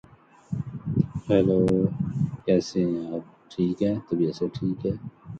By working together, we can foster a safer and healthier world for everyone.